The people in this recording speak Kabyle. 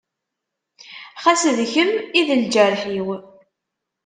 Xas d kem i d lǧerḥ-iw.